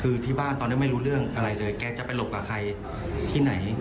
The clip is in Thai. คือที่บ้านตอนนี้ไม่รู้เรื่องอะไรเลยแกจะไปหลบกับใครที่ไหน